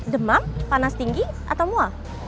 demam panas tinggi atau mual